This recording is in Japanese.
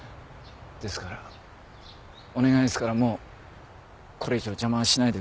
ですからお願いですからもうこれ以上邪魔はしないでください。